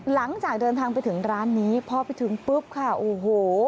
หลังจากเดินทางไปถึงร้านนี้พอไปถึงปุ๊บค่ะโอ้โห